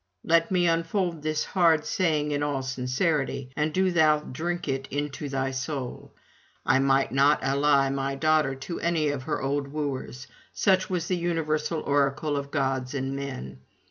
Let me unfold this hard saying in all sincerity: and do thou drink it into thy soul. I might not ally my daughter to any of her old wooers; such was the universal oracle of gods and men.